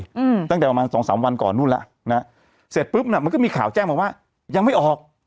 อืมตั้งแต่ประมาณสองสามวันก่อนนู่นแล้วนะฮะเสร็จปุ๊บน่ะมันก็มีข่าวแจ้งมาว่ายังไม่ออก